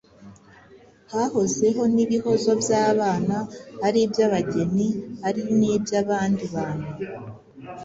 Hahozeho n’ibihozo by’abana ,ari iby’abageni ,ari n’iby’abandi bantu.